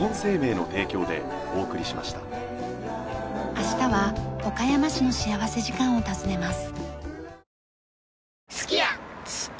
明日は岡山市の幸福時間を訪ねます。